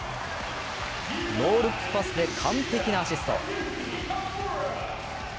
ノールックパスで完璧なアシスト。